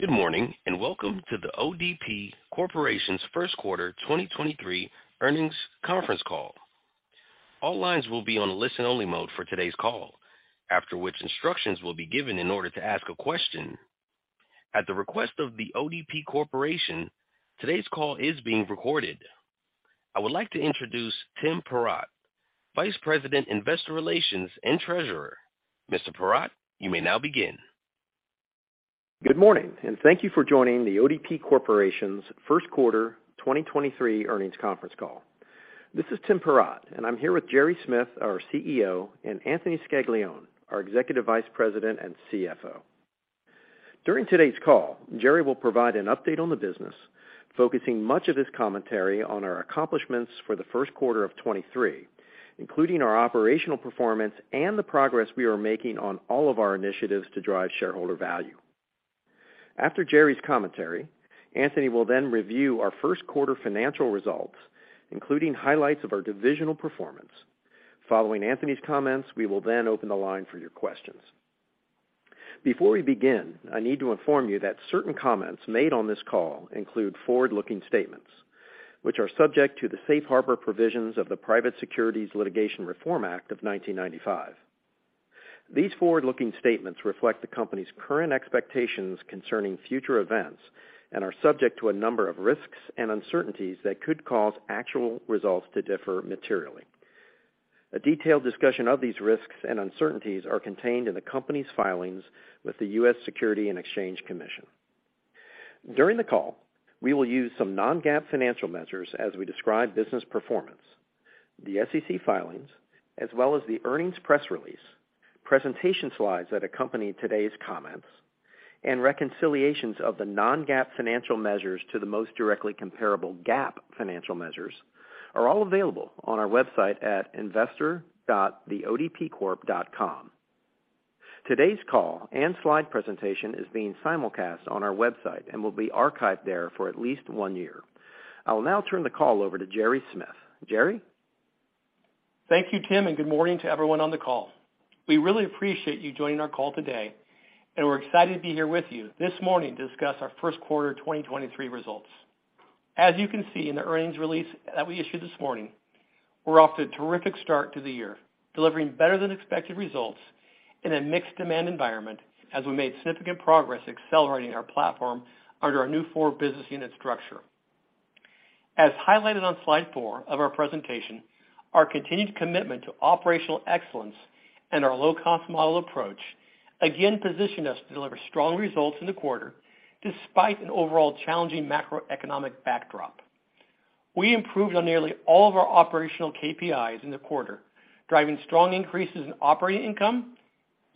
Good morning, welcome to the ODP Corporation's first quarter 2023 earnings conference call. All lines will be on listen-only mode for today's call, after which instructions will be given in order to ask a question. At the request of the ODP Corporation, today's call is being recorded. I would like to introduce Tim Perrott, Vice President, Investor Relations, and Treasurer. Mr. Perrott, you may now begin. Good morning, thank you for joining The ODP Corporation's Q1 2023 earnings conference call. This is Timothy Perrott, and I'm here with Gerry Smith, our CEO, and Anthony Scaglione, our Executive Vice President and CFO. During today's call, Gerry will provide an update on the business, focusing much of his commentary on our accomplishments for the Q1 of 2023, including our operational performance and the progress we are making on all of our initiatives to drive shareholder value. After Gerry's commentary, Anthony will then review our Q1 financial results, including highlights of our divisional performance. Following Anthony's comments, we will then open the line for your questions. Before we begin, I need to inform you that certain comments made on this call include forward-looking statements, which are subject to the safe harbor provisions of the Private Securities Litigation Reform Act of 1995. These forward-looking statements reflect the company's current expectations concerning future events and are subject to a number of risks and uncertainties that could cause actual results to differ materially. A detailed discussion of these risks and uncertainties are contained in the company's filings with the U.S. Securities and Exchange Commission. During the call, we will use some non-GAAP financial measures as we describe business performance. The SEC filings as well as the earnings press release, presentation slides that accompany today's comments, and reconciliations of the non-GAAP financial measures to the most directly comparable GAAP financial measures are all available on our website at investor.theodpcorp.com. Today's call and slide presentation is being simulcast on our website and will be archived there for at least one year. I'll now turn the call over to Gerry Smith. Gerry. Thank you, Timothy. Good morning to everyone on the call. We really appreciate you joining our call today. We're excited to be here with you this morning to discuss our first quarter 2023 results. As you can see in the earnings release that we issued this morning, we're off to a terrific start to the year, delivering better than expected results in a mixed demand environment as we made significant progress accelerating our platform under our new 4 business unit structure. As highlighted on slide 4 of our presentation, our continued commitment to operational excellence and our low-cost model approach again positioned us to deliver strong results in the quarter despite an overall challenging macroeconomic backdrop. We improved on nearly all of our operational KPIs in the quarter, driving strong increases in operating income,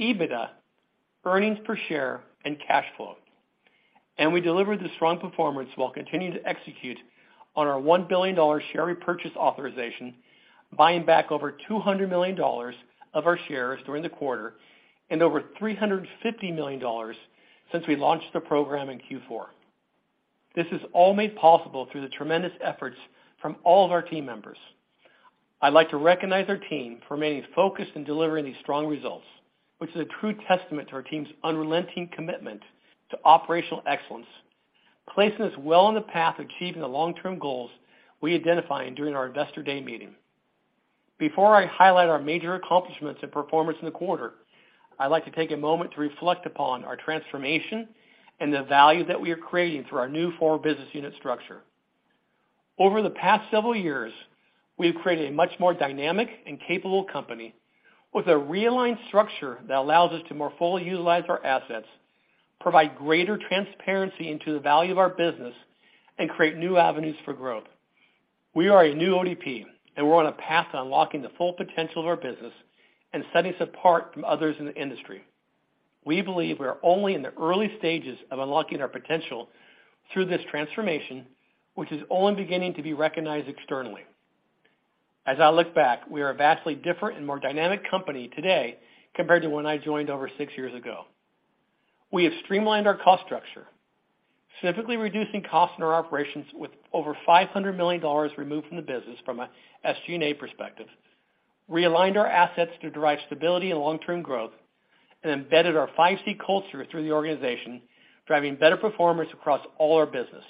EBITDA, earnings per share, and cash flow. We delivered the strong performance while continuing to execute on our $1 billion share repurchase authorization, buying back over $200 million of our shares during the quarter and over $350 million since we launched the program in Q4. This is all made possible through the tremendous efforts from all of our team members. I'd like to recognize our team for remaining focused in delivering these strong results, which is a true testament to our team's unrelenting commitment to operational excellence, placing us well on the path to achieving the long-term goals we identified during our Investor Day meeting. Before I highlight our major accomplishments and performance in the quarter, I'd like to take a moment to reflect upon our transformation and the value that we are creating through our new four business unit structure. Over the past several years, we have created a much more dynamic and capable company with a realigned structure that allows us to more fully utilize our assets, provide greater transparency into the value of our business, and create new avenues for growth. We are a new ODP. We're on a path to unlocking the full potential of our business and setting us apart from others in the industry. We believe we are only in the early stages of unlocking our potential through this transformation, which is only beginning to be recognized externally. As I look back, we are a vastly different and more dynamic company today compared to when I joined over six years ago. We have streamlined our cost structure, significantly reducing costs in our operations with over $500 million removed from the business from an SG&A perspective, realigned our assets to drive stability and long-term growth, and embedded our 5C Culture through the organization, driving better performance across all our business.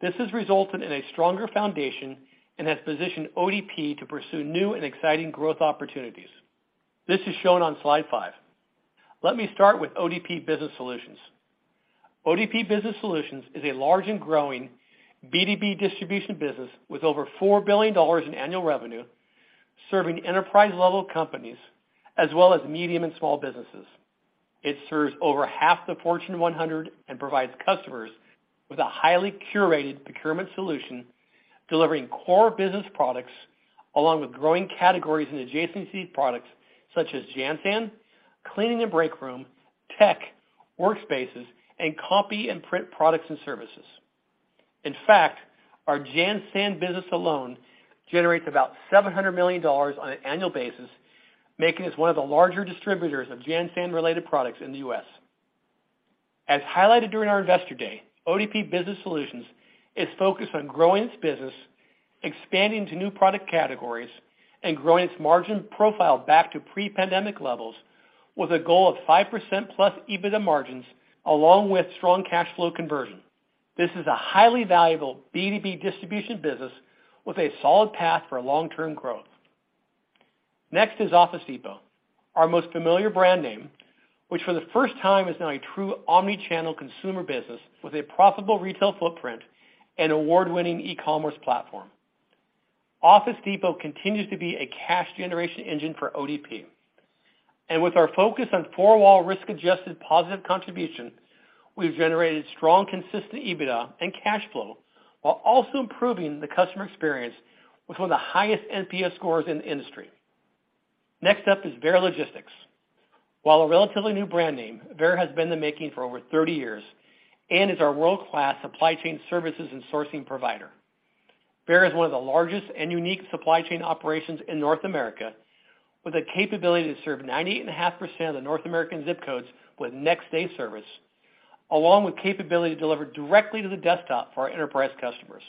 This has resulted in a stronger foundation and has positioned ODP to pursue new and exciting growth opportunities. This is shown on slide five. Let me start with ODP Business Solutions. ODP Business Solutions is a large and growing B2B distribution business with over $4 billion in annual revenue, serving enterprise-level companies as well as medium and small businesses. It serves over half the Fortune 100 and provides customers with a highly curated procurement solution, delivering core business products along with growing categories and adjacency products such as JanSan, cleaning and break room, tech, workspaces, and copy and print products and services. In fact, our JanSan business alone generates about $700 million on an annual basis, making us one of the larger distributors of JanSan-related products in the U.S. As highlighted during our Investor Day, ODP Business Solutions is focused on growing its business, expanding to new product categories and growing its margin profile back to pre-pandemic levels, with a goal of 5% plus EBITDA margins along with strong cash flow conversion. This is a highly valuable B2B distribution business with a solid path for long-term growth. Next is Office Depot, our most familiar brand name, which for the first time is now a true omni-channel consumer business with a profitable retail footprint and award-winning e-commerce platform. Office Depot continues to be a cash generation engine for ODP. With our focus on four wall risk-adjusted positive contribution, we've generated strong consistent EBITDA and cash flow, while also improving the customer experience with one of the highest NPS scores in the industry. Next up is Veyer Logistics. While a relatively new brand name, Veyer has been in the making for over 30 years and is our world-class supply chain services and sourcing provider. Veyer is one of the largest and unique supply chain operations in North America, with the capability to serve 98.5% of the North American zip codes with next day service, along with capability to deliver directly to the desktop for our enterprise customers.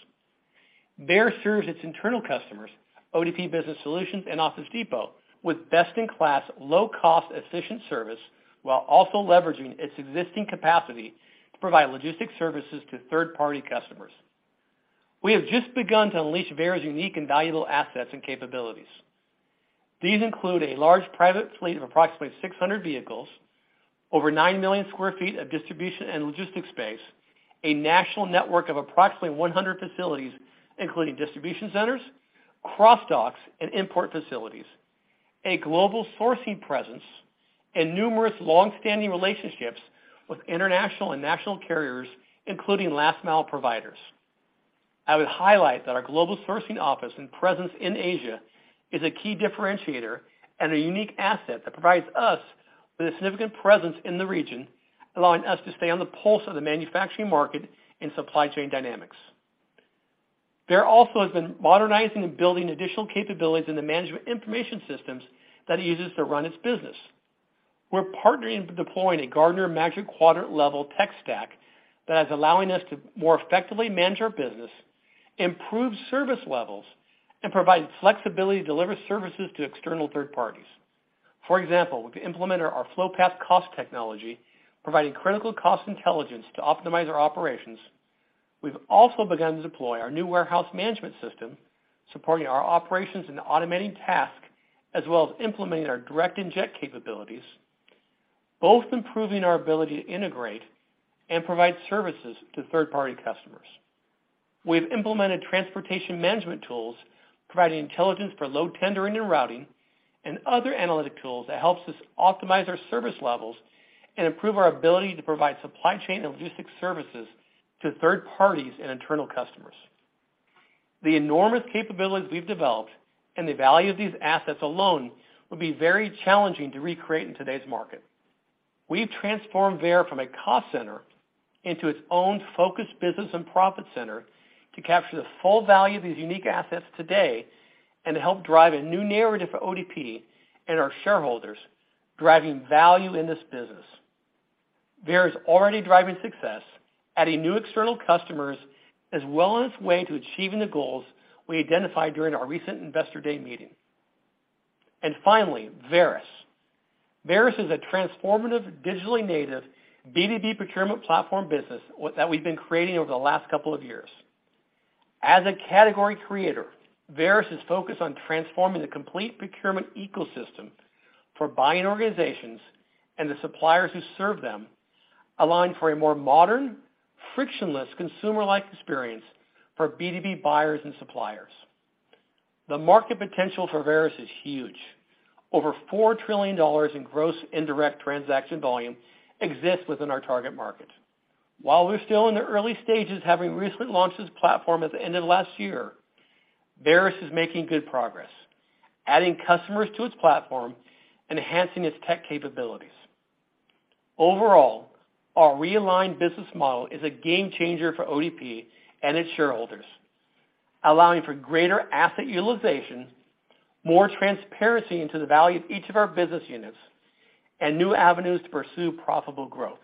Veyer serves its internal customers, ODP Business Solutions and Office Depot, with best-in-class, low-cost, efficient service while also leveraging its existing capacity to provide logistic services to third-party customers. We have just begun to unleash Veyer's unique and valuable assets and capabilities. These include a large private fleet of approximately 600 vehicles, over 9 million sq ft of distribution and logistics space, a national network of approximately 100 facilities, including distribution centers, cross docks, and import facilities, a global sourcing presence, and numerous long-standing relationships with international and national carriers, including last mile providers. I would highlight that our global sourcing office and presence in Asia is a key differentiator and a unique asset that provides us with a significant presence in the region, allowing us to stay on the pulse of the manufacturing market and supply chain dynamics. Veyer also has been modernizing and building additional capabilities in the management information systems that it uses to run its business. We're partnering with deploying a Gartner Magic Quadrant level tech stack that is allowing us to more effectively manage our business, improve service levels, and provide flexibility to deliver services to external third parties. For example, we've implemented our Flowpath cost technology, providing critical cost intelligence to optimize our operations. We've also begun to deploy our new warehouse management system, supporting our operations and automating tasks, as well as implementing our direct inject capabilities, both improving our ability to integrate and provide services to third-party customers. We've implemented transportation management tools, providing intelligence for load tendering and routing, and other analytic tools that helps us optimize our service levels and improve our ability to provide supply chain and logistics services to third parties and internal customers. The enormous capabilities we've developed and the value of these assets alone would be very challenging to recreate in today's market. We've transformed Veyer from a cost center into its own focused business and profit center to capture the full value of these unique assets today and to help drive a new narrative for ODP and our shareholders, driving value in this business. Veyer is already driving success, adding new external customers, as well on its way to achieving the goals we identified during our recent Investor Day meeting. Finally, Varis. Varis is a transformative, digitally native B2B procurement platform business that we've been creating over the last couple of years. As a category creator, Varis is focused on transforming the complete procurement ecosystem for buying organizations and the suppliers who serve them, allowing for a more modern, frictionless, consumer-like experience for B2B buyers and suppliers. The market potential for Varis is huge. Over $4 trillion in gross indirect transaction volume exists within our target market. While we're still in the early stages, having recently launched this platform at the end of last year, Varis is making good progress, adding customers to its platform, enhancing its tech capabilities. Overall, our realigned business model is a game changer for ODP and its shareholders, allowing for greater asset utilization, more transparency into the value of each of our business units, and new avenues to pursue profitable growth.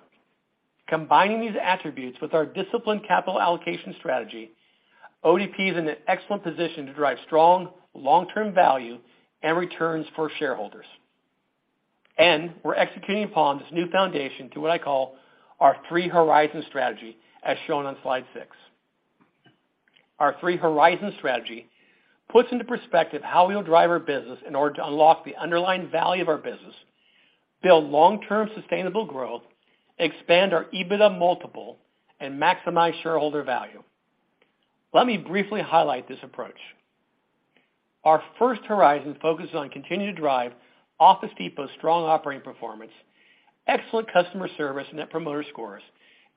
Combining these attributes with our disciplined capital allocation strategy, ODP is in an excellent position to drive strong long-term value and returns for shareholders. We're executing upon this new foundation to what I call our 3 horizon strategy, as shown on slide 6. Our 3 horizon strategy puts into perspective how we'll drive our business in order to unlock the underlying value of our business, build long-term sustainable growth, expand our EBITDA multiple, and maximize shareholder value. Let me briefly highlight this approach. Our first horizon focuses on continuing to drive Office Depot's strong operating performance, excellent customer service net promoter scores,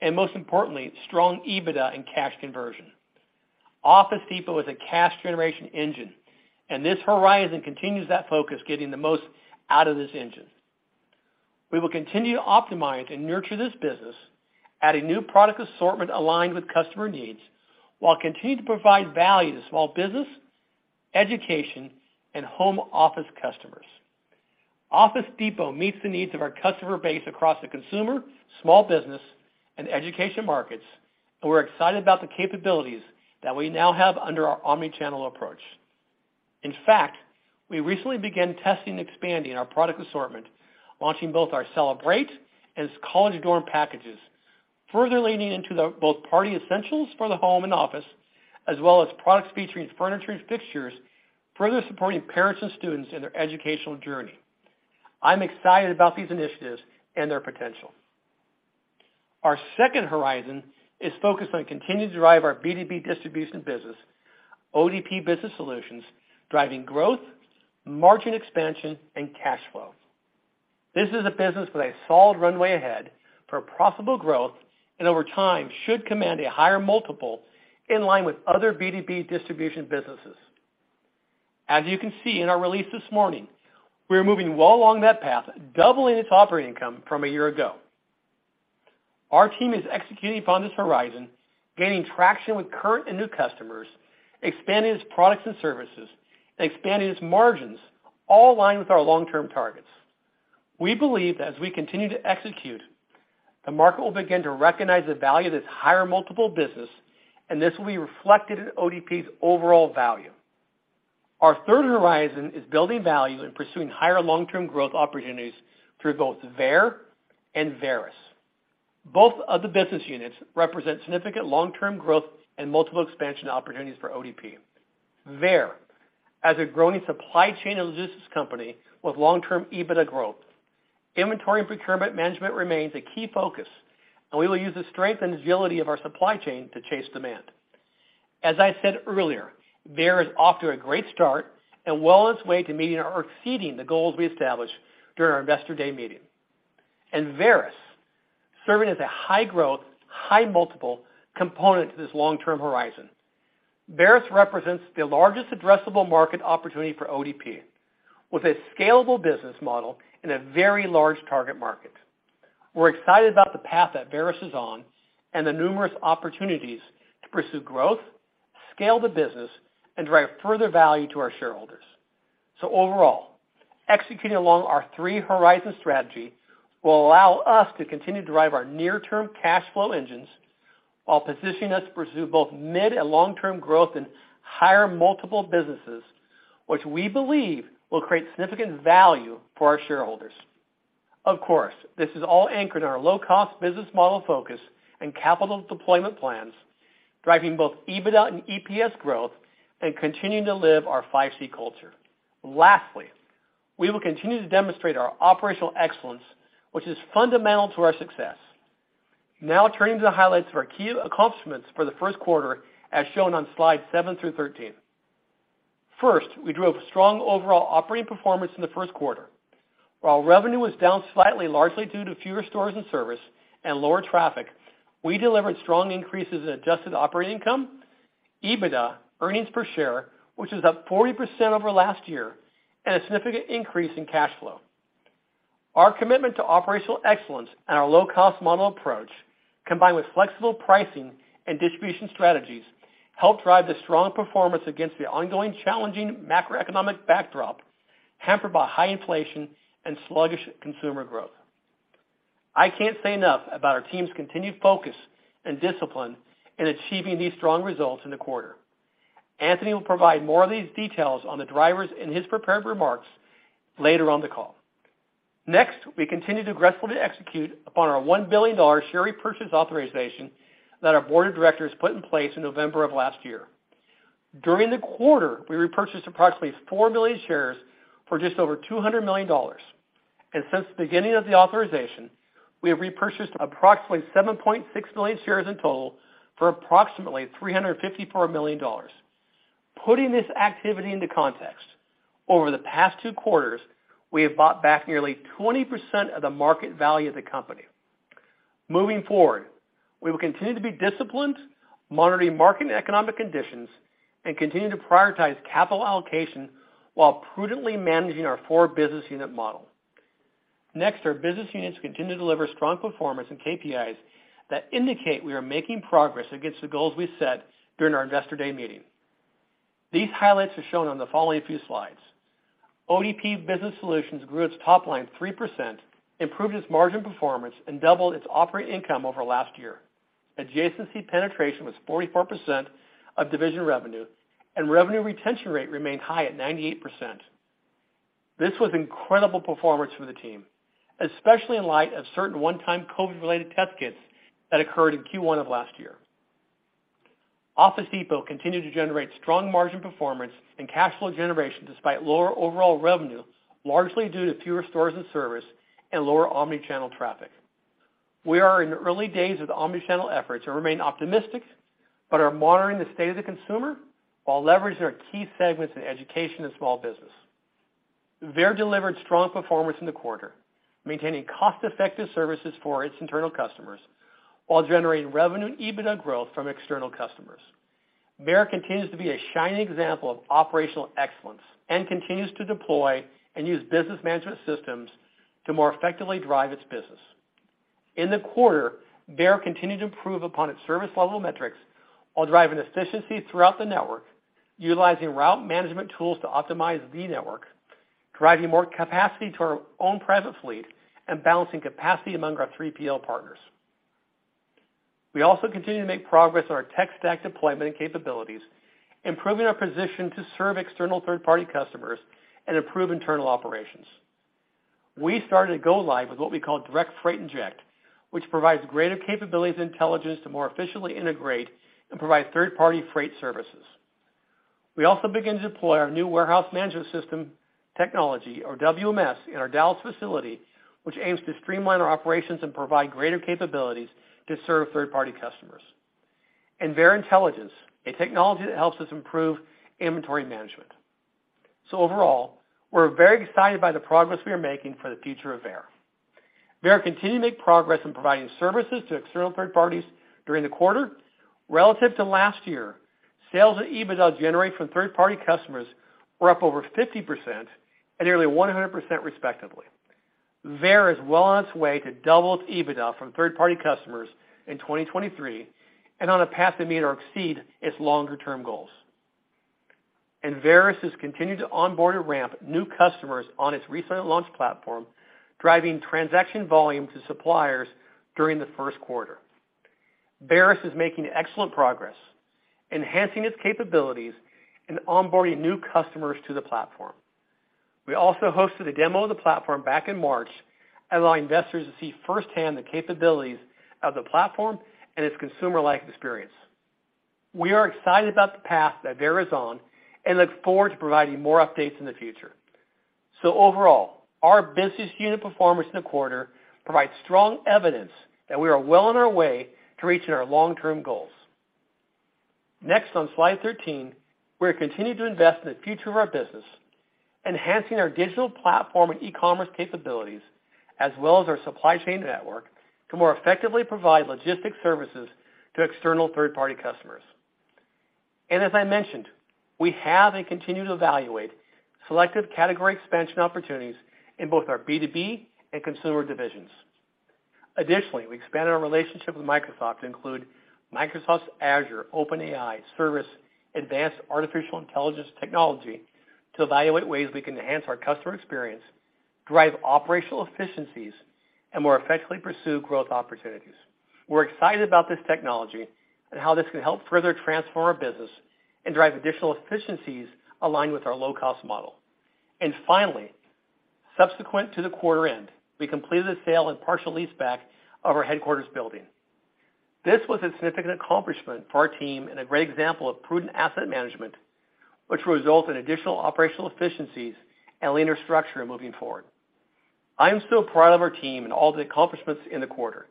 and most importantly, strong EBITDA and cash conversion. Office Depot is a cash generation engine, and this horizon continues that focus, getting the most out of this engine. We will continue to optimize and nurture this business, adding new product assortment aligned with customer needs, while continuing to provide value to small business, education, and home office customers. Office Depot meets the needs of our customer base across the consumer, small business, and education markets, and we're excited about the capabilities that we now have under our omni-channel approach. In fact, we recently began testing expanding our product assortment, launching both our Celebrate and College Dorm packages, further leaning into the both party essentials for the home and office, as well as products featuring furniture and fixtures, further supporting parents and students in their educational journey. I'm excited about these initiatives and their potential. Our second horizon is focused on continuing to drive our B2B distribution business, ODP Business Solutions, driving growth, margin expansion, and cash flow. This is a business with a solid runway ahead for profitable growth and over time should command a higher multiple in line with other B2B distribution businesses. As you can see in our release this morning, we are moving well along that path, doubling its operating income from a year ago. Our team is executing upon this horizon, gaining traction with current and new customers, expanding its products and services, expanding its margins, all in line with our long-term targets. We believe that as we continue to execute, the market will begin to recognize the value of this higher multiple business, and this will be reflected in ODP's overall value. Our third horizon is building value and pursuing higher long-term growth opportunities through both Veyer and Varis. Both of the business units represent significant long-term growth and multiple expansion opportunities for ODP. Veyer, as a growing supply chain and logistics company with long-term EBITDA growth, inventory and procurement management remains a key focus, and we will use the strength and agility of our supply chain to chase demand. As I said earlier, Veyer is off to a great start and well on its way to meeting or exceeding the goals we established during our Investor Day meeting. Varis, serving as a high-growth, high-multiple component to this long-term horizon. Varis represents the largest addressable market opportunity for ODP with a scalable business model and a very large target market. We're excited about the path that Varis is on and the numerous opportunities to pursue growth, scale the business, and drive further value to our shareholders. Overall, executing along our three horizon strategy will allow us to continue to drive our near-term cash flow engines while positioning us to pursue both mid and long-term growth in higher multiple businesses, which we believe will create significant value for our shareholders. Of course, this is all anchored in our low-cost business model focus and capital deployment plans, driving both EBITDA and EPS growth and continuing to live our 5C Culture. Lastly, we will continue to demonstrate our operational excellence, which is fundamental to our success. Turning to the highlights of our key accomplishments for the first quarter, as shown on slides seven through 13. First, we drove strong overall operating performance in the first quarter. While revenue was down slightly, largely due to fewer stores and service and lower traffic, we delivered strong increases in adjusted operating income, EBITDA, earnings per share, which is up 40% over last year, and a significant increase in cash flow. Our commitment to operational excellence and our low-cost model approach, combined with flexible pricing and distribution strategies, helped drive the strong performance against the ongoing challenging macroeconomic backdrop hampered by high inflation and sluggish consumer growth. I can't say enough about our team's continued focus and discipline in achieving these strong results in the quarter. Anthony will provide more of these details on the drivers in his prepared remarks later on the call. We continue to aggressively execute upon our $1 billion share repurchase authorization that our board of directors put in place in November of last year. During the quarter, we repurchased approximately 4 million shares for just over $200 million. Since the beginning of the authorization, we have repurchased approximately 7.6 million shares in total for approximately $354 million. Putting this activity into context, over the past 2 quarters, we have bought back nearly 20% of the market value of the company. Moving forward, we will continue to be disciplined, monitoring market and economic conditions, and continue to prioritize capital allocation while prudently managing our 4 business unit model. Next, our business units continue to deliver strong performance and KPIs that indicate we are making progress against the goals we set during our Investor Day meeting. These highlights are shown on the following few slides. ODP Business Solutions grew its top line 3%, improved its margin performance, and doubled its operating income over last year. Adjacency penetration was 44% of division revenue, and revenue retention rate remained high at 98%. This was incredible performance for the team, especially in light of certain one-time COVID-related test kits that occurred in Q1 of last year. Office Depot continued to generate strong margin performance and cash flow generation despite lower overall revenue, largely due to fewer stores and service and lower omni-channel traffic. We are in the early days of omni-channel efforts and remain optimistic, but are monitoring the state of the consumer while leveraging our key segments in education and small business. Veyer delivered strong performance in the quarter, maintaining cost-effective services for its internal customers while generating revenue and EBITDA growth from external customers. Veyer continues to be a shining example of operational excellence and continues to deploy and use business management systems to more effectively drive its business. In the quarter, Veyer continued to improve upon its service level metrics while driving efficiency throughout the network, utilizing route management tools to optimize the network, driving more capacity to our own private fleet, and balancing capacity among our 3PL partners. We also continue to make progress on our tech stack deployment and capabilities, improving our position to serve external third-party customers and improve internal operations. We started to go live with what we call Direct Freight Inject, which provides greater capabilities intelligence to more efficiently integrate and provide third-party freight services. We also began to deploy our new warehouse management system technology, or WMS, in our Dallas facility, which aims to streamline our operations and provide greater capabilities to serve third-party customers. Veyer Intelligence, a technology that helps us improve inventory management. Overall, we're very excited by the progress we are making for the future of Veyer. Veyer continued to make progress in providing services to external third parties during the quarter. Relative to last year, sales at EBITDA generated from third-party customers were up over 50% and nearly 100% respectively. Veyer is well on its way to double its EBITDA from third-party customers in 2023 and on a path to meet or exceed its longer-term goals. Varis has continued to onboard and ramp new customers on its recently launched platform, driving transaction volume to suppliers during the first quarter. Varis is making excellent progress, enhancing its capabilities and onboarding new customers to the platform. We also hosted a demo of the platform back in March, allowing investors to see firsthand the capabilities of the platform and its consumer-like experience. We are excited about the path that Varis is on and look forward to providing more updates in the future. Overall, our business unit performance in the quarter provides strong evidence that we are well on our way to reaching our long-term goals. Next on slide 13, we are continuing to invest in the future of our business, enhancing our digital platform and e-commerce capabilities, as well as our supply chain network, to more effectively provide logistics services to external third-party customers. As I mentioned, we have and continue to evaluate selective category expansion opportunities in both our B2B and consumer divisions. Additionally, we expanded our relationship with Microsoft to include Microsoft's Azure OpenAI service advanced artificial intelligence technology to evaluate ways we can enhance our customer experience, drive operational efficiencies, and more effectively pursue growth opportunities. We're excited about this technology and how this can help further transform our business and drive additional efficiencies aligned with our low-cost model. Finally, subsequent to the quarter end, we completed the sale and partial lease back of our headquarters building. This was a significant accomplishment for our team and a great example of prudent asset management, which will result in additional operational efficiencies and leaner structure moving forward. I am so proud of our team and all the accomplishments in the quarter.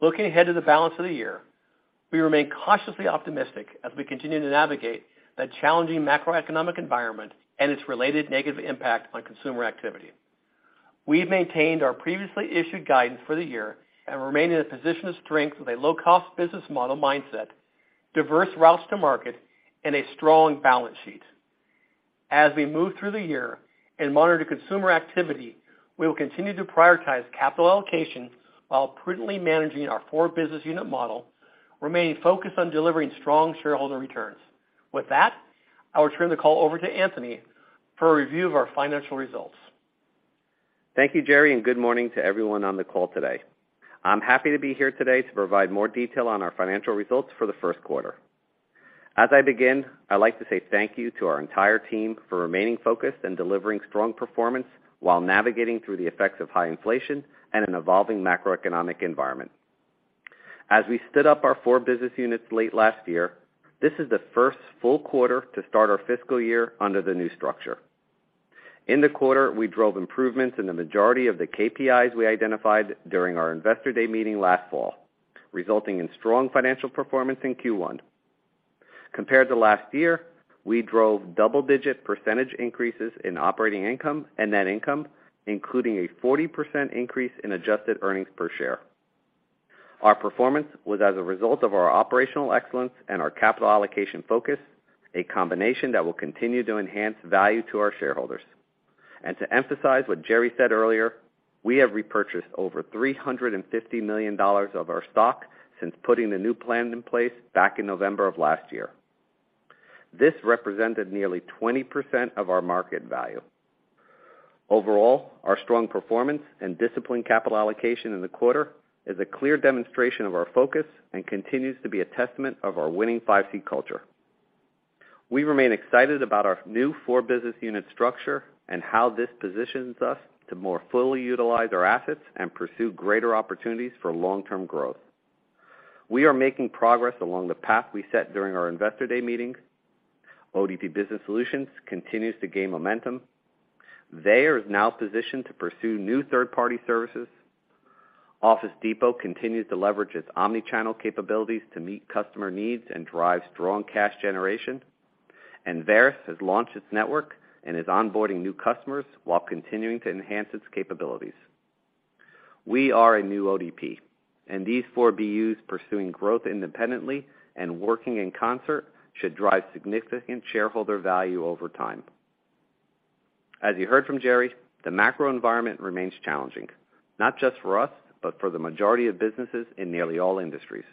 Looking ahead to the balance of the year, we remain cautiously optimistic as we continue to navigate the challenging macroeconomic environment and its related negative impact on consumer activity. We've maintained our previously issued guidance for the year and remain in a position of strength with a low-cost business model mindset, diverse routes to market, and a strong balance sheet. As we move through the year and monitor consumer activity, we will continue to prioritize capital allocation while prudently managing our four business unit model, remaining focused on delivering strong shareholder returns. With that, I will turn the call over to Anthony for a review of our financial results. Thank you, Gerry, and good morning to everyone on the call today. I'm happy to be here today to provide more detail on our financial results for the first quarter. As I begin, I'd like to say thank you to our entire team for remaining focused and delivering strong performance while navigating through the effects of high inflation and an evolving macroeconomic environment. As we stood up our four business units late last year, this is the first full quarter to start our fiscal year under the new structure. In the quarter, we drove improvements in the majority of the KPIs we identified during our Investor Day meeting last fall, resulting in strong financial performance in Q1. Compared to last year, we drove double-digit percentage increases in operating income and net income, including a 40% increase in adjusted earnings per share. Our performance was as a result of our operational excellence and our capital allocation focus, a combination that will continue to enhance value to our shareholders. To emphasize what Gerry said earlier, we have repurchased over $350 million of our stock since putting the new plan in place back in November of last year. This represented nearly 20% of our market value. Overall, our strong performance and disciplined capital allocation in the quarter is a clear demonstration of our focus and continues to be a testament of our winning 5C Culture. We remain excited about our new four business unit structure and how this positions us to more fully utilize our assets and pursue greater opportunities for long-term growth. We are making progress along the path we set during our Investor Day meetings. ODP Business Solutions continues to gain momentum. Veyer is now positioned to pursue new third-party services. Office Depot continues to leverage its omni-channel capabilities to meet customer needs and drive strong cash generation. Varis has launched its network and is onboarding new customers while continuing to enhance its capabilities. We are a new ODP, and these four BUs pursuing growth independently and working in concert should drive significant shareholder value over time. As you heard from Gerry, the macro environment remains challenging, not just for us, but for the majority of businesses in nearly all industries.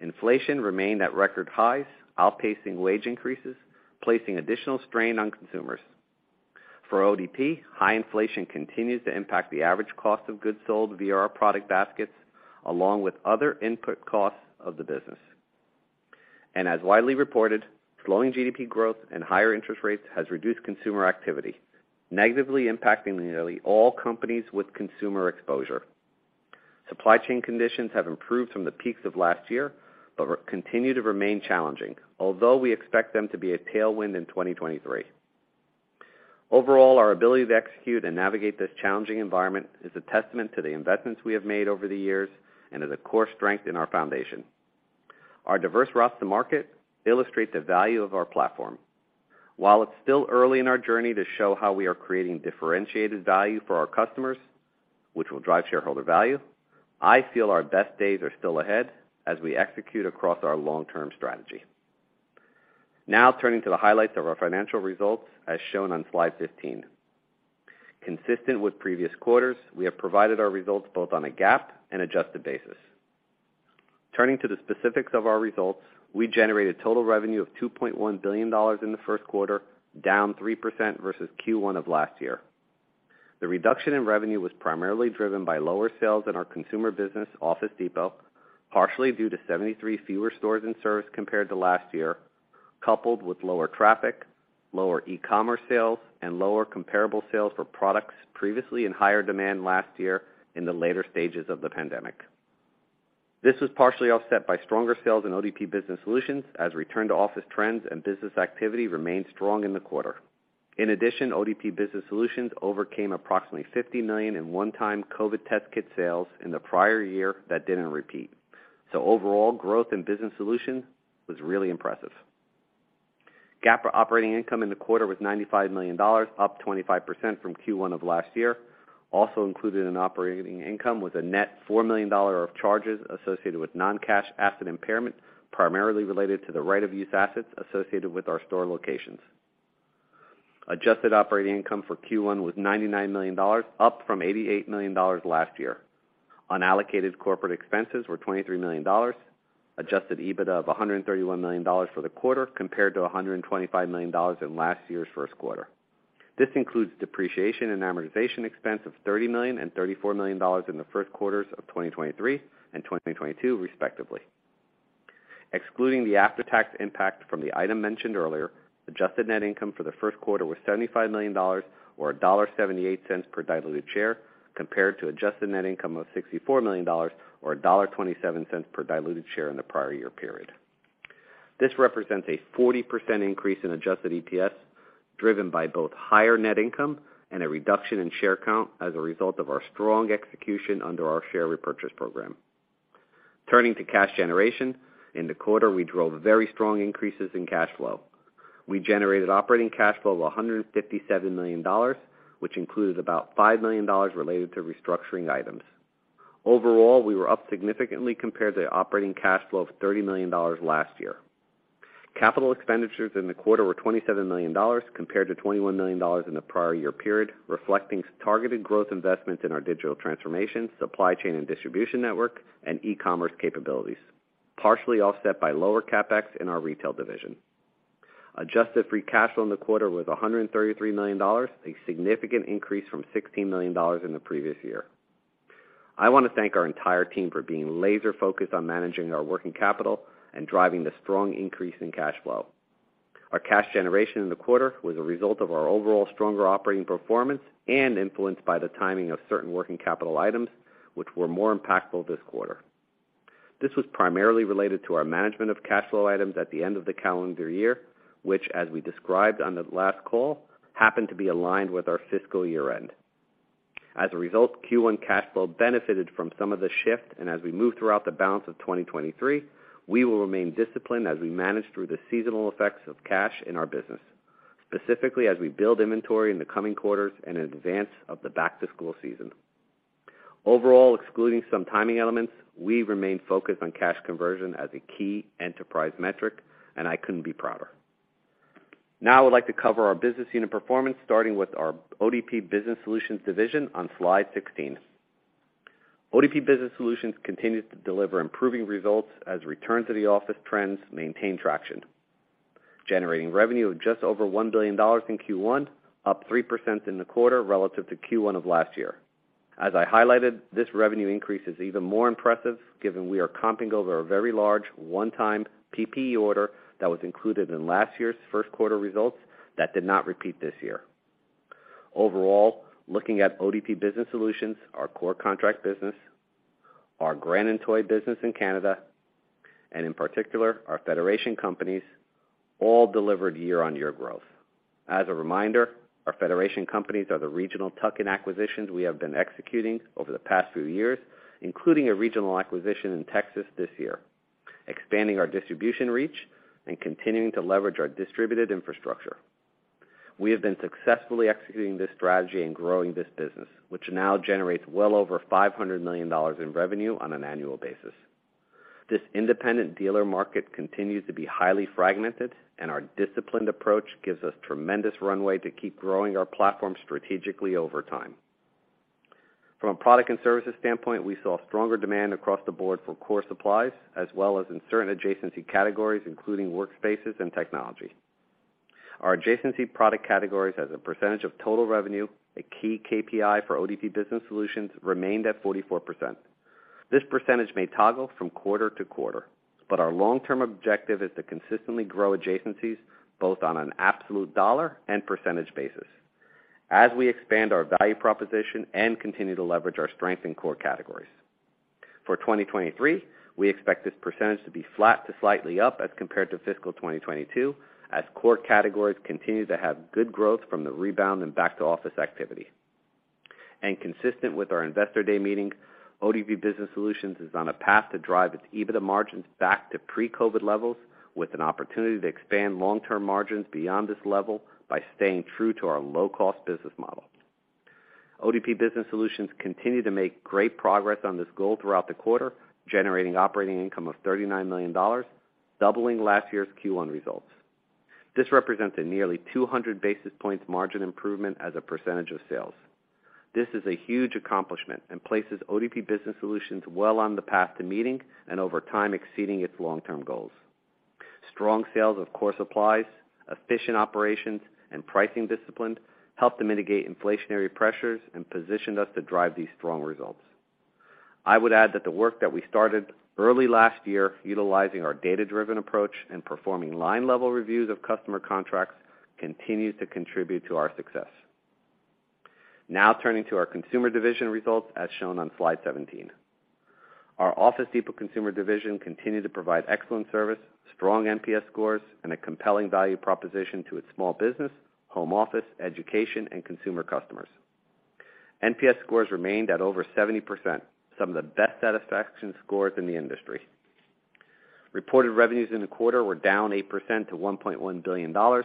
Inflation remained at record highs, outpacing wage increases, placing additional strain on consumers. For ODP, high inflation continues to impact the average cost of goods sold via our product baskets, along with other input costs of the business. As widely reported, slowing GDP growth and higher interest rates has reduced consumer activity, negatively impacting nearly all companies with consumer exposure. Supply chain conditions have improved from the peaks of last year, but continue to remain challenging, although we expect them to be a tailwind in 2023. Overall, our ability to execute and navigate this challenging environment is a testament to the investments we have made over the years and is a core strength in our foundation. Our diverse routes to market illustrate the value of our platform. While it's still early in our journey to show how we are creating differentiated value for our customers, which will drive shareholder value, I feel our best days are still ahead as we execute across our long-term strategy. Turning to the highlights of our financial results as shown on slide 15. Consistent with previous quarters, we have provided our results both on a GAAP and adjusted basis. Turning to the specifics of our results, we generated total revenue of $2.1 billion in the first quarter, down 3% versus Q1 of last year. The reduction in revenue was primarily driven by lower sales in our consumer business Office Depot, partially due to 73 fewer stores and service compared to last year, coupled with lower traffic, lower e-commerce sales, and lower comparable sales for products previously in higher demand last year in the later stages of the pandemic. This was partially offset by stronger sales in ODP Business Solutions as return-to-office trends and business activity remained strong in the quarter. In addition, ODP Business Solutions overcame approximately $50 million in one-time COVID test kit sales in the prior year that didn't repeat. Overall, growth in Business Solutions was really impressive. GAAP operating income in the quarter was $95 million, up 25% from Q1 of last year. Also included in operating income was a net $4 million of charges associated with non-cash asset impairment, primarily related to the right of use assets associated with our store locations. Adjusted operating income for Q1 was $99 million, up from $88 million last year. Unallocated corporate expenses were $23 million. Adjusted EBITDA of $131 million for the quarter compared to $125 million in last year's first quarter. This includes depreciation and amortization expense of $30 million and $34 million in the first quarters of 2023 and 2022 respectively. Excluding the after-tax impact from the item mentioned earlier, adjusted net income for the first quarter was $75 million or $1.78 per diluted share compared to adjusted net income of $64 million or $1.27 per diluted share in the prior year period. This represents a 40% increase in adjusted EPS driven by both higher net income and a reduction in share count as a result of our strong execution under our share repurchase program. Turning to cash generation. In the quarter, we drove very strong increases in cash flow. We generated operating cash flow of $157 million, which included about $5 million related to restructuring items. Overall, we were up significantly compared to operating cash flow of $30 million last year. Capital expenditures in the quarter were $27 million compared to $21 million in the prior year period, reflecting targeted growth investments in our digital transformation, supply chain and distribution network, and e-commerce capabilities, partially offset by lower CapEx in our retail division. Adjusted free cash flow in the quarter was $133 million, a significant increase from $16 million in the previous year. I want to thank our entire team for being laser-focused on managing our working capital and driving the strong increase in cash flow. Our cash generation in the quarter was a result of our overall stronger operating performance and influenced by the timing of certain working capital items, which were more impactful this quarter. This was primarily related to our management of cash flow items at the end of the calendar year, which, as we described on the last call, happened to be aligned with our fiscal year-end. As a result, Q1 cash flow benefited from some of the shift, and as we move throughout the balance of 2023, we will remain disciplined as we manage through the seasonal effects of cash in our business, specifically as we build inventory in the coming quarters in advance of the back-to-school season. Overall, excluding some timing elements, we remain focused on cash conversion as a key enterprise metric, and I couldn't be prouder. Now I would like to cover our business unit performance, starting with our ODP Business Solutions division on slide 16. ODP Business Solutions continues to deliver improving results as return to the office trends maintain traction, generating revenue of just over $1 billion in Q1, up 3% in the quarter relative to Q1 of last year. As I highlighted, this revenue increase is even more impressive given we are comping over a very large one-time PPE order that was included in last year's first quarter results that did not repeat this year. Overall, looking at ODP Business Solutions, our core contract business, our Grand & Toy business in Canada, and in particular, our Federation companies, all delivered year-on-year growth. As a reminder, our Federation companies are the regional tuck-in acquisitions we have been executing over the past few years, including a regional acquisition in Texas this year, expanding our distribution reach and continuing to leverage our distributed infrastructure. We have been successfully executing this strategy and growing this business, which now generates well over $500 million in revenue on an annual basis. This independent dealer market continues to be highly fragmented, and our disciplined approach gives us tremendous runway to keep growing our platform strategically over time. From a product and services standpoint, we saw stronger demand across the board for core supplies as well as in certain adjacency categories, including workspaces and technology. Our adjacency product categories as a percentage of total revenue, a key KPI for ODP Business Solutions, remained at 44%. This percentage may toggle from quarter to quarter, but our long-term objective is to consistently grow adjacencies both on an absolute dollar and percentage basis as we expand our value proposition and continue to leverage our strength in core categories. For 2023, we expect this percentage to be flat to slightly up as compared to fiscal 2022, as core categories continue to have good growth from the rebound in back to office activity. Consistent with our Investor Day meeting, ODP Business Solutions is on a path to drive its EBITDA margins back to pre-COVID levels with an opportunity to expand long-term margins beyond this level by staying true to our low-cost business model. ODP Business Solutions continued to make great progress on this goal throughout the quarter, generating operating income of $39 million, doubling last year's Q1 results. This represents a nearly 200 basis points margin improvement as a percentage of sales. This is a huge accomplishment and places ODP Business Solutions well on the path to meeting and over time, exceeding its long-term goals. Strong sales of core supplies, efficient operations, and pricing discipline helped to mitigate inflationary pressures and positioned us to drive these strong results. I would add that the work that we started early last year, utilizing our data-driven approach and performing line-level reviews of customer contracts, continues to contribute to our success. Now turning to our consumer division results as shown on slide 17. Our Office Depot Consumer division continued to provide excellent service, strong NPS scores, and a compelling value proposition to its small business, home office, education, and consumer customers. NPS scores remained at over 70%, some of the best satisfaction scores in the industry. Reported revenues in the quarter were down 8% to $1.1 billion,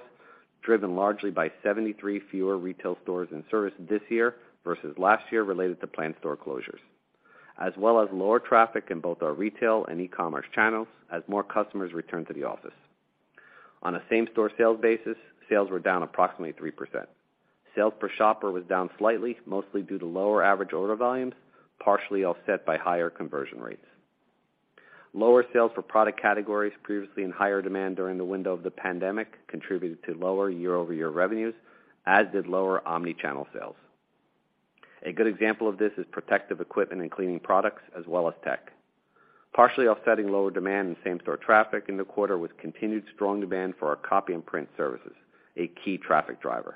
driven largely by 73 fewer retail stores in service this year versus last year related to planned store closures, as well as lower traffic in both our retail and e-commerce channels as more customers return to the office. On a same-store sales basis, sales were down approximately 3%. Sales per shopper was down slightly, mostly due to lower average order volumes, partially offset by higher conversion rates. Lower sales for product categories previously in higher demand during the window of the pandemic contributed to lower year-over-year revenues, as did lower omni-channel sales. A good example of this is protective equipment and cleaning products as well as tech. Partially offsetting lower demand in same-store traffic in the quarter was continued strong demand for our copy and print services, a key traffic driver.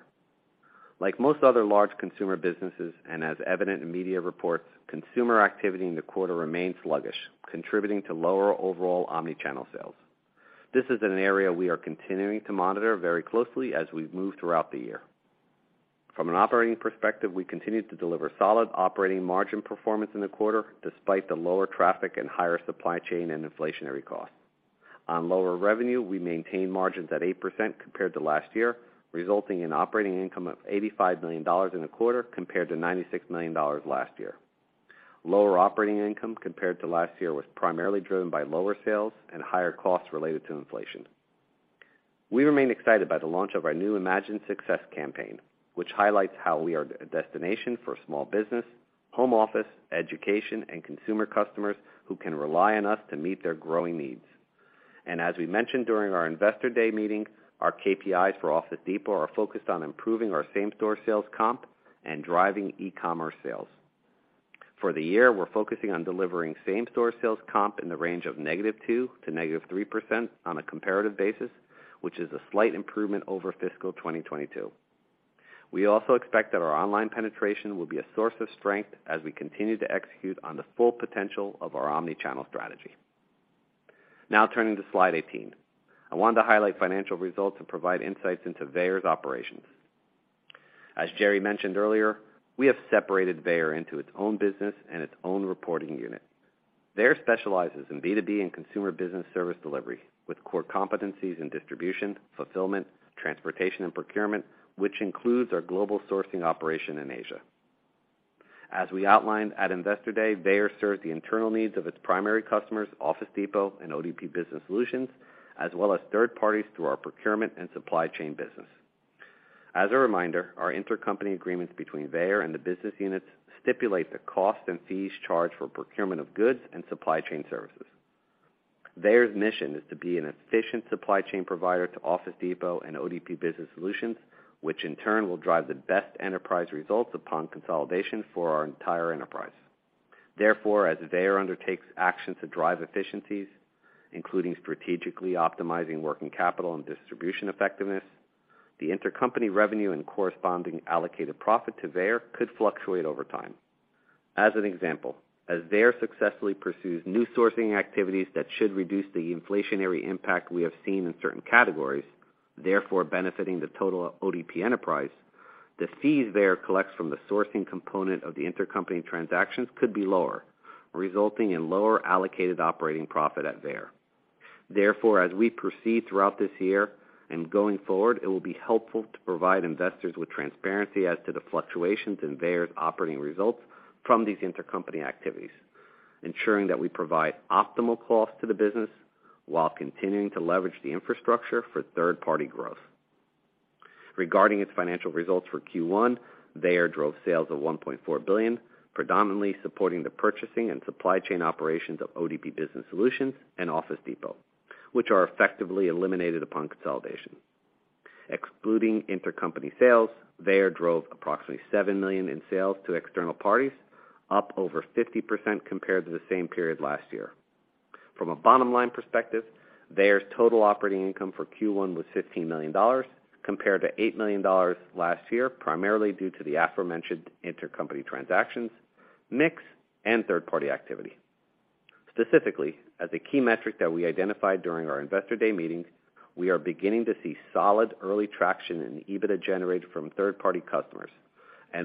Like most other large consumer businesses, as evident in media reports, consumer activity in the quarter remained sluggish, contributing to lower overall omni-channel sales. This is an area we are continuing to monitor very closely as we move throughout the year. From an operating perspective, we continued to deliver solid operating margin performance in the quarter, despite the lower traffic and higher supply chain and inflationary costs. On lower revenue, we maintained margins at 8% compared to last year, resulting in operating income of $85 million in the quarter compared to $96 million last year. Lower operating income compared to last year was primarily driven by lower sales and higher costs related to inflation. We remain excited by the launch of our new Imagined Success campaign, which highlights how we are a destination for small business, home office, education, and consumer customers who can rely on us to meet their growing needs. As we mentioned during our Investor Day meeting, our KPIs for Office Depot are focused on improving our same-store sales comp and driving e-commerce sales. For the year, we're focusing on delivering same-store sales comp in the range of -2% to -3% on a comparative basis, which is a slight improvement over fiscal 2022. We also expect that our online penetration will be a source of strength as we continue to execute on the full potential of our omni-channel strategy. Turning to slide 18. I want to highlight financial results and provide insights into Veyer's operations. As Gerry mentioned earlier, we have separated Veyer into its own business and its own reporting unit. Veyer specializes in B2B and consumer business service delivery with core competencies in distribution, fulfillment, transportation, and procurement, which includes our global sourcing operation in Asia. As we outlined at Investor Day, Veyer serves the internal needs of its primary customers, Office Depot and ODP Business Solutions, as well as third parties through our procurement and supply chain business. As a reminder, our intercompany agreements between Veyer and the business units stipulate the cost and fees charged for procurement of goods and supply chain services. Veyer's mission is to be an efficient supply chain provider to Office Depot and ODP Business Solutions, which in turn will drive the best enterprise results upon consolidation for our entire enterprise. As Veyer undertakes actions to drive efficiencies, including strategically optimizing working capital and distribution effectiveness, the intercompany revenue and corresponding allocated profit to Veyer could fluctuate over time. As an example, as Veyer successfully pursues new sourcing activities that should reduce the inflationary impact we have seen in certain categories, therefore benefiting the total ODP enterprise, the fees Veyer collects from the sourcing component of the intercompany transactions could be lower, resulting in lower allocated operating profit at Veyer. As we proceed throughout this year and going forward, it will be helpful to provide investors with transparency as to the fluctuations in Veyer's operating results from these intercompany activities, ensuring that we provide optimal cost to the business while continuing to leverage the infrastructure for third-party growth. Regarding its financial results for Q1, Veyer drove sales of $1.4 billion, predominantly supporting the purchasing and supply chain operations of ODP Business Solutions and Office Depot, which are effectively eliminated upon consolidation. Excluding intercompany sales, Veyer drove approximately $7 million in sales to external parties, up over 50% compared to the same period last year. From a bottom line perspective, Veyer's total operating income for Q1 was $15 million compared to $8 million last year, primarily due to the aforementioned intercompany transactions, mix, and third-party activity. Specifically, as a key metric that we identified during our Investor Day meeting, we are beginning to see solid early traction in the EBITDA generated from third-party customers.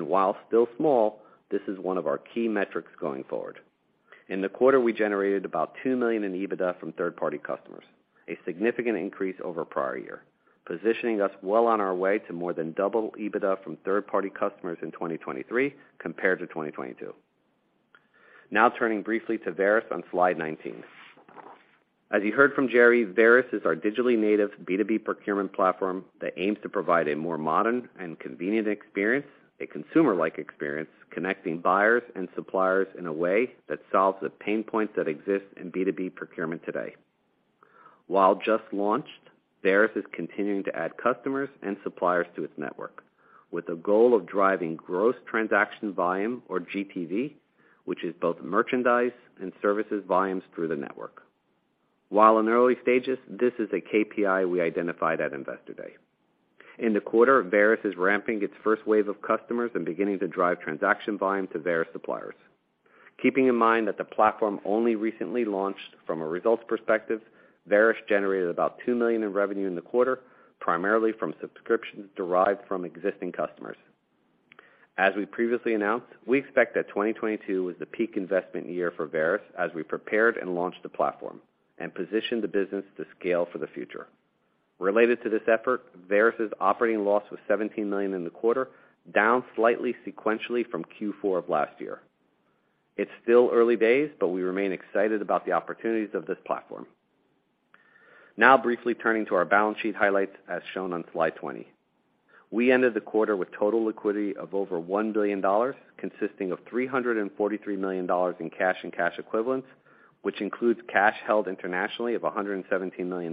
While still small, this is one of our key metrics going forward. In the quarter, we generated about $2 million in EBITDA from third-party customers, a significant increase over prior year, positioning us well on our way to more than double EBITDA from third-party customers in 2023 compared to 2022. Turning briefly to Varis on slide 19. As you heard from Gerry, Varis is our digitally native B2B procurement platform that aims to provide a more modern and convenient experience, a consumer-like experience, connecting buyers and suppliers in a way that solves the pain points that exist in B2B procurement today. While just launched, Varis is continuing to add customers and suppliers to its network with the goal of driving gross transaction volume or GTV, which is both merchandise and services volumes through the network. While in early stages, this is a KPI we identified at Investor Day. In the quarter, Varis is ramping its first wave of customers and beginning to drive transaction volume to Varis suppliers. Keeping in mind that the platform only recently launched, from a results perspective, Varis generated about $2 million in revenue in the quarter, primarily from subscriptions derived from existing customers. As we previously announced, we expect that 2022 was the peak investment year for Varis as we prepared and launched the platform and positioned the business to scale for the future. Related to this effort, Varis' operating loss was $17 million in the quarter, down slightly sequentially from Q4 of last year. It's still early days, but we remain excited about the opportunities of this platform. Briefly turning to our balance sheet highlights as shown on slide 20. We ended the quarter with total liquidity of over $1 billion, consisting of $343 million in cash and cash equivalents, which includes cash held internationally of $117 million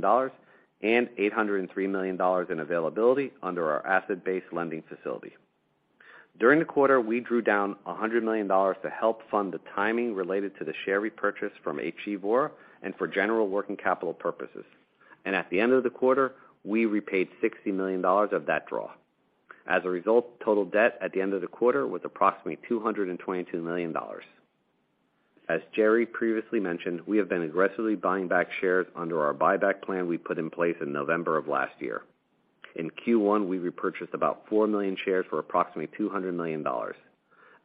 and $803 million in availability under our asset-based lending facility. During the quarter, we drew down $100 million to help fund the timing related to the share repurchase from HE Vor and for general working capital purposes. At the end of the quarter, we repaid $60 million of that draw. As a result, total debt at the end of the quarter was approximately $222 million. As Gerry previously mentioned, we have been aggressively buying back shares under our buyback plan we put in place in November of last year. In Q1, we repurchased about 4 million shares for approximately $200 million.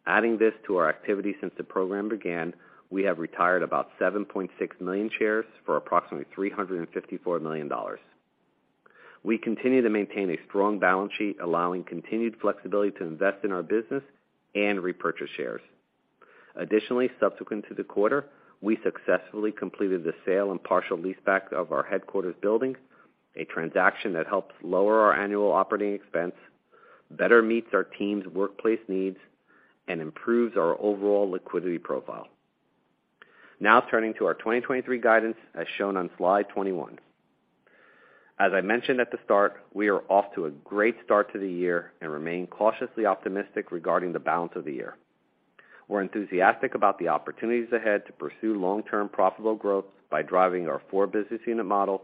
Adding this to our activity since the program began, we have retired about 7.6 million shares for approximately $354 million. We continue to maintain a strong balance sheet, allowing continued flexibility to invest in our business and repurchase shares. Additionally, subsequent to the quarter, we successfully completed the sale and partial leaseback of our headquarters building, a transaction that helps lower our annual operating expense, better meets our team's workplace needs, and improves our overall liquidity profile. Turning to our 2023 guidance as shown on slide 21. As I mentioned at the start, we are off to a great start to the year and remain cautiously optimistic regarding the balance of the year. We're enthusiastic about the opportunities ahead to pursue long-term profitable growth by driving our 4 business unit model,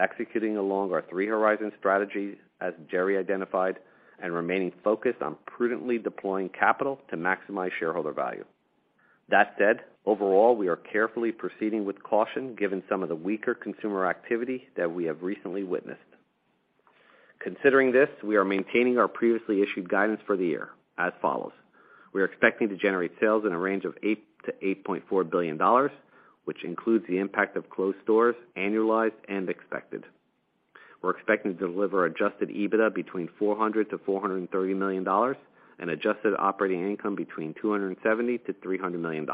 executing along our 3 horizon strategy, as Gerry Smith identified, and remaining focused on prudently deploying capital to maximize shareholder value. That said, overall, we are carefully proceeding with caution given some of the weaker consumer activity that we have recently witnessed. Considering this, we are maintaining our previously issued guidance for the year as follows. We are expecting to generate sales in a range of $8 billion-$8.4 billion, which includes the impact of closed stores, annualized and expected. We're expecting to deliver adjusted EBITDA between $400 million and $430 million and adjusted operating income between $270 million and $300 million.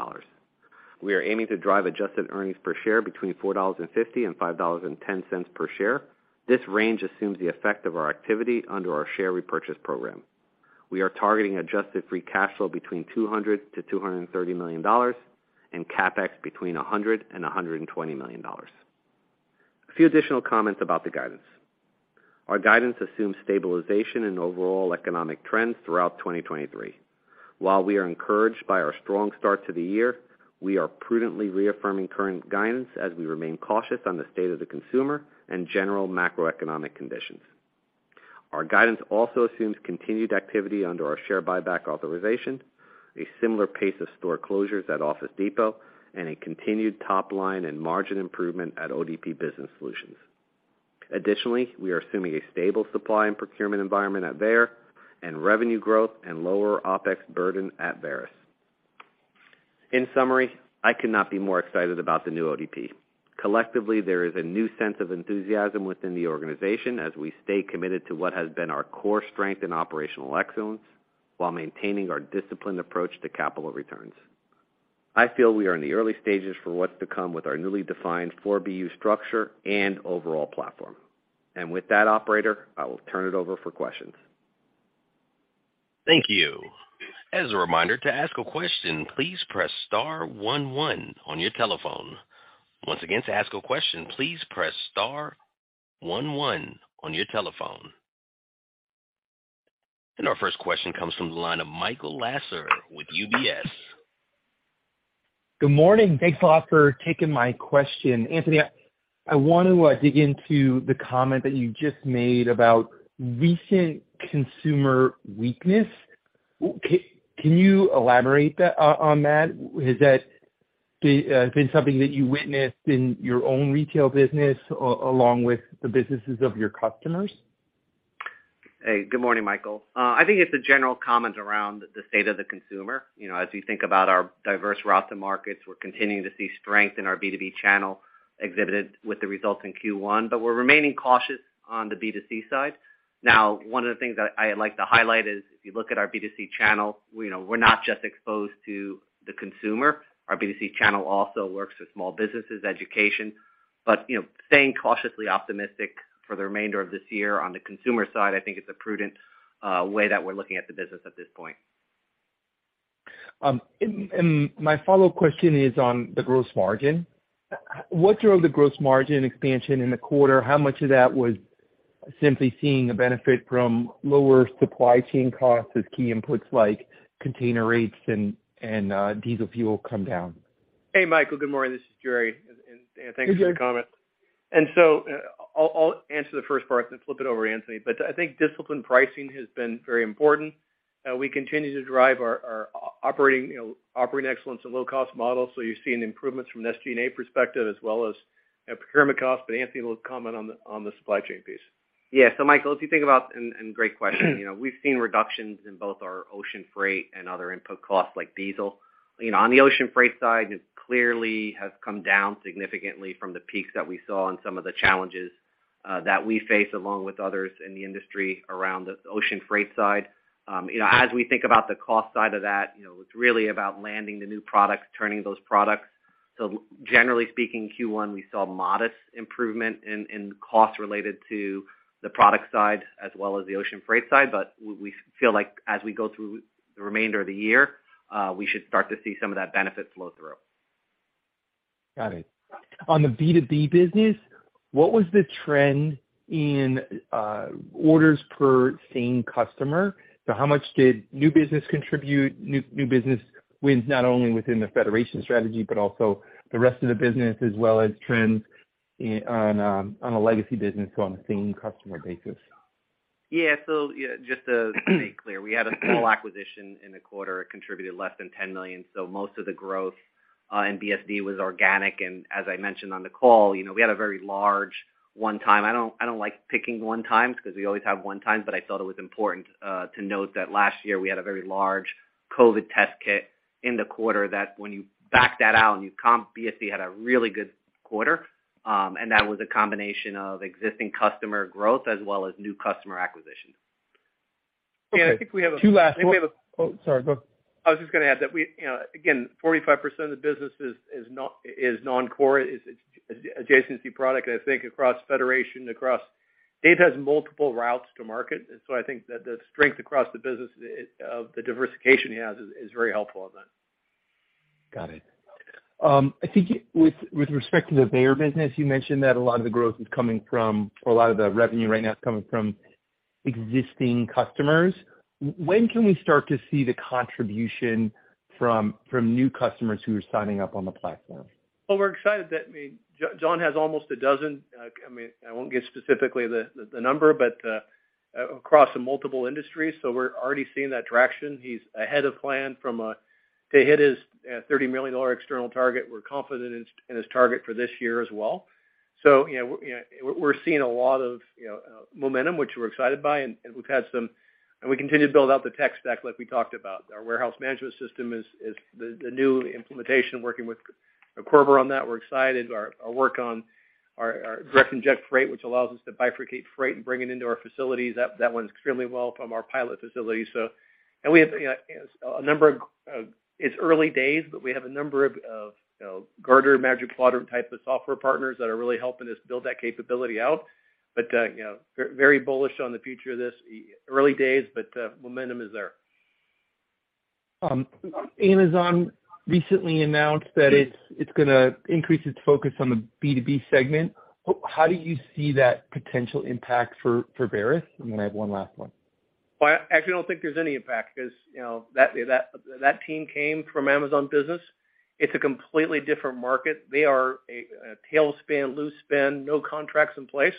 We are aiming to drive adjusted EPS between $4.50-$5.10 per share. This range assumes the effect of our activity under our share repurchase program. We are targeting adjusted free cash flow between $200 million-$230 million and CapEx between $100 million-$120 million. A few additional comments about the guidance. Our guidance assumes stabilization in overall economic trends throughout 2023. While we are encouraged by our strong start to the year, we are prudently reaffirming current guidance as we remain cautious on the state of the consumer and general macroeconomic conditions. Our guidance also assumes continued activity under our share buyback authorization, a similar pace of store closures at Office Depot, and a continued top line and margin improvement at ODP Business Solutions. Additionally, we are assuming a stable supply and procurement environment at Veyer, and revenue growth and lower OpEx burden at Varis. In summary, I could not be more excited about the new ODP. Collectively, there is a new sense of enthusiasm within the organization as we stay committed to what has been our core strength in operational excellence while maintaining our disciplined approach to capital returns. I feel we are in the early stages for what's to come with our newly defined four BU structure and overall platform. With that operator, I will turn it over for questions. Thank you. As a reminder, to ask a question, please press star one one on your telephone. Once again, to ask a question, please press star one one on your telephone. Our first question comes from the line of Michael Lasser with UBS. Good morning. Thanks a lot for taking my question. Anthony, I want to dig into the comment that you just made about recent consumer weakness. Can you elaborate on that? Has that been something that you witnessed in your own retail business along with the businesses of your customers? Hey, good morning, Michael. I think it's a general comment around the state of the consumer. You know, as you think about our diverse routes to markets, we're continuing to see strength in our B2B channel exhibited with the results in Q1, but we're remaining cautious on the B2C side. One of the things that I like to highlight is, if you look at our B2C channel, you know, we're not just exposed to the consumer. Our B2C channel also works with small businesses, education. You know, staying cautiously optimistic for the remainder of this year on the consumer side, I think it's a prudent way that we're looking at the business at this point. My follow-up question is on the gross margin. What drove the gross margin expansion in the quarter? How much of that was simply seeing a benefit from lower supply chain costs as key inputs like container rates and diesel fuel come down? Hey, Michael. Good morning. This is Gerry, and thanks for the comment. I'll answer the first part and then flip it over to Anthony. I think disciplined pricing has been very important. We continue to drive our operating, you know, operating excellence and low-cost model. You're seeing improvements from an SG&A perspective as well as procurement costs, Anthony will comment on the supply chain piece. Yeah. Michael, if you think about... great question. You know, we've seen reductions in both our ocean freight and other input costs like diesel. You know, on the ocean freight side, it clearly has come down significantly from the peaks that we saw and some of the challenges that we face along with others in the industry around the ocean freight side. You know, as we think about the cost side of that, you know, it's really about landing the new products, turning those products. Generally speaking, Q1, we saw modest improvement in costs related to the product side as well as the ocean freight side. We feel like as we go through the remainder of the year, we should start to see some of that benefit flow through. Got it. On the B2B business, what was the trend in orders per same customer? How much did new business contribute, new business wins not only within the Federation strategy, but also the rest of the business, as well as trends on a legacy business, on the same customer basis? Yeah. Just to be clear, we had a small acquisition in the quarter. It contributed less than $10 million. Most of the growth in BSD was organic. As I mentioned on the call, you know, we had a very large one-time. I don't like picking one-times because we always have one-times, but I thought it was important to note that last year we had a very large COVID test kit in the quarter that when you back that out and you comp BSD had a really good quarter, and that was a combination of existing customer growth as well as new customer acquisition. I think we have. Two last-. I think we have. Oh, sorry, go. I was just gonna add that we, you know, again, 45% of the business is non-core. It's, it's adjacency product, I think, across Federation, across. Dave has multiple routes to market. I think that the strength across the business, the diversification he has is very helpful in that. Got it. I think with respect to the Veyer business, you mentioned that a lot of the growth is coming from or a lot of the revenue right now is coming from existing customers. When can we start to see the contribution from new customers who are signing up on the platform? Well, we're excited that I mean, John has almost a dozen, I mean, I won't get specifically the number, but across multiple industries, so we're already seeing that traction. He's ahead of plan to hit his $30 million external target. We're confident in his target for this year as well. You know, we're seeing a lot of, you know, momentum, which we're excited by, and we continue to build out the tech stack like we talked about. Our warehouse management system is the new implementation, working with Körber on that. We're excited. Our work on our direct inject freight, which allows us to bifurcate freight and bring it into our facilities, that one's extremely well from our pilot facility. It's early days, but we have a number of, you know, Gartner Magic Quadrant type of software partners that are really helping us build that capability out. You know, very bullish on the future of this. Early days, momentum is there. Amazon recently announced that it's gonna increase its focus on the B2B segment. How do you see that potential impact for Varis? I have one last one. Well, I actually don't think there's any impact because, you know, that team came from Amazon Business. It's a completely different market. They are a tail spend, loose spend, no contracts in place.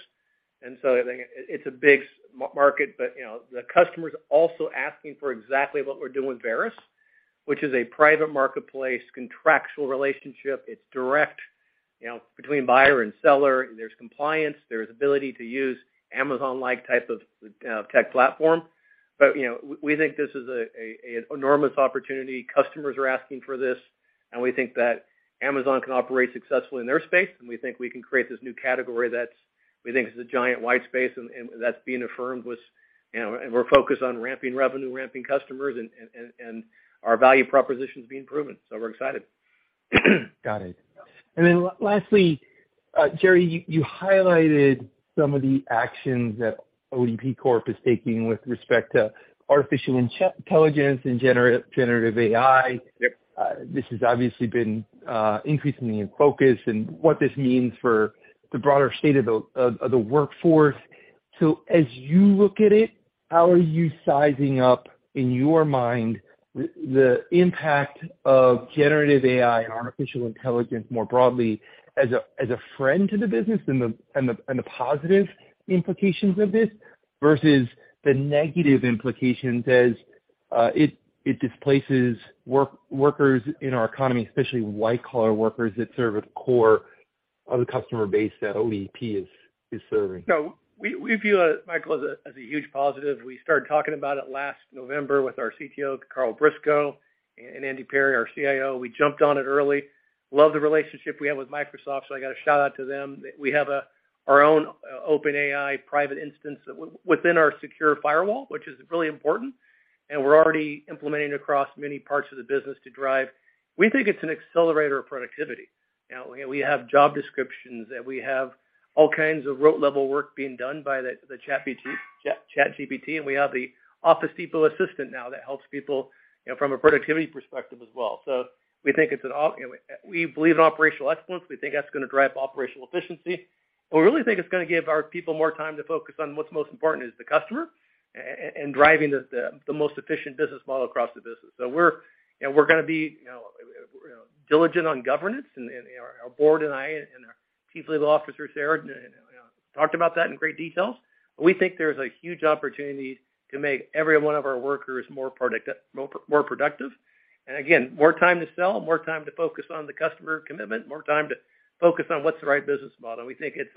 it's a big market, but, you know, the customer is also asking for exactly what we're doing with Varis, which is a private marketplace, contractual relationship. It's direct, you know, between buyer and seller. There's compliance. There's ability to use Amazon-like type of tech platform. you know, we think this is an enormous opportunity. Customers are asking for this, and we think that Amazon can operate successfully in their space, and we think we can create this new category that's... We think is a giant white space, and that's being affirmed with, you know, we're focused on ramping revenue, ramping customers, and our value proposition is being proven. We're excited. Got it. Lastly, Gerry, you highlighted some of the actions that ODP Corp is taking with respect to artificial intelligence and generative AI. Yep. This has obviously been increasingly in focus and what this means for the broader state of the of the workforce. As you look at it, how are you sizing up in your mind the impact of generative AI and artificial intelligence more broadly as a friend to the business and the positive implications of this, versus the negative implications as it displaces workers in our economy, especially white-collar workers that serve a core of the customer base that ODP is serving? No, we view it, Michael, as a huge positive. We started talking about it last November with our CTO, Terry Leeper and Andy Perry, our CIO. We jumped on it early. Love the relationship we have with Microsoft. I got to shout out to them. We have our own OpenAI private instance within our secure firewall, which is really important. We're already implementing across many parts of the business to drive. We think it's an accelerator of productivity. You know, we have job descriptions, and we have all kinds of rote level work being done by the ChatGPT, and we have the Office Depot assistant now that helps people, you know, from a productivity perspective as well. We think it's an op... You know, we believe in operational excellence. We think that's gonna drive operational efficiency. We really think it's gonna give our people more time to focus on what's most important, is the customer and driving the most efficient business model across the business. We're, you know, we're gonna be diligent on governance and our board and I and our Chief Legal Officer Sarah, you know, talked about that in great detail. We think there's a huge opportunity to make every one of our workers more productive. Again, more time to sell, more time to focus on the Customer Commitment, more time to focus on what's the right business model. We think it's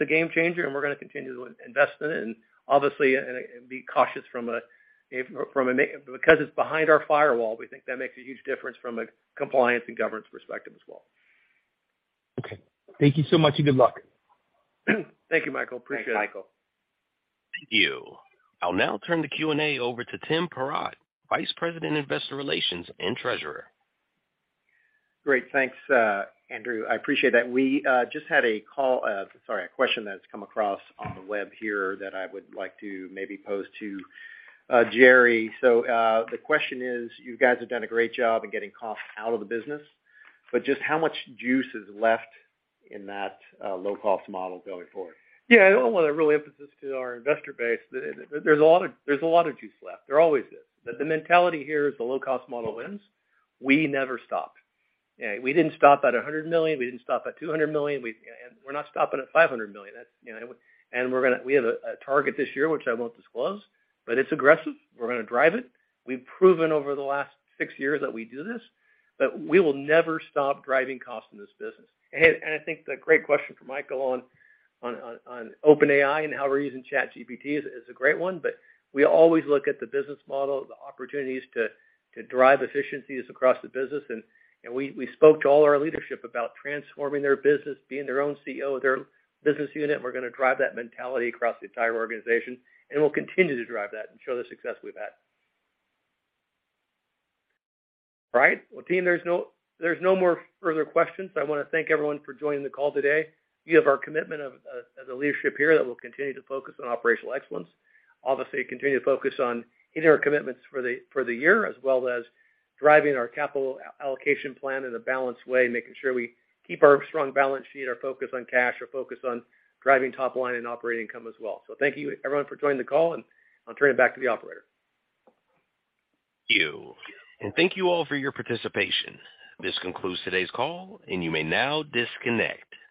a game changer, and we're gonna continue to invest in it and obviously, and be cautious from a because it's behind our firewall, we think that makes a huge difference from a compliance and governance perspective as well. Okay. Thank you so much, and good luck. Thank you, Michael. Appreciate it. Thanks, Michael. Thank you. I'll now turn the Q&A over to Timothy Perrott, Vice President, Investor Relations and Treasurer. Great. Thanks, Andrew. I appreciate that. We just had a call, sorry, a question that's come across on the web here that I would like to maybe pose to, Gerry. The question is, you guys have done a great job in getting costs out of the business, but just how much juice is left in that low-cost model going forward? Yeah. I want to really emphasize to our investor base that there's a lot of, there's a lot of juice left. There always is. The mentality here is the low-cost model wins. We never stop. We didn't stop at $100 million, we didn't stop at $200 million. We're not stopping at $500 million. That's, you know... We have a target this year, which I won't disclose, but it's aggressive. We're gonna drive it. We've proven over the last six years that we do this, that we will never stop driving cost in this business. I think the great question from Michael on OpenAI and how we're using ChatGPT is a great one. We always look at the business model, the opportunities to drive efficiencies across the business. We spoke to all our leadership about transforming their business, being their own CEO of their business unit, and we're gonna drive that mentality across the entire organization, and we'll continue to drive that and show the success we've had. Right. Well, team, there's no more further questions. I wanna thank everyone for joining the call today. You have our commitment of as a leadership here that we'll continue to focus on operational excellence. Obviously, continue to focus on hitting our commitments for the year, as well as driving our capital allocation plan in a balanced way, making sure we keep our strong balance sheet, our focus on cash, our focus on driving top line and operating income as well. Thank you everyone for joining the call, and I'll turn it back to the operator. Thank you. Thank you all for your participation. This concludes today's call, and you may now disconnect.